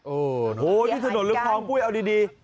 โอ้โฮนี่ถนนลึกคลองกุ้ยเอาดี